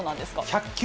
１００球。